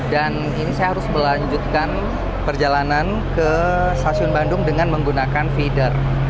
dan ini saya harus melanjutkan perjalanan ke stasiun bandung dengan menggunakan feeder